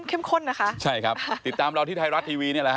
เข้มข้นอะคะใช่ครับติดตามเราที่ไทยรัตน์ทีวี